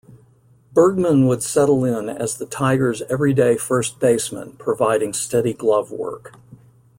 Bergman would settle in as the Tigers' everyday first baseman providing steady glove-work.